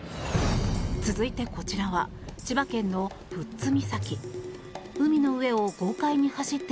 続いてこちらは千葉県の富津岬。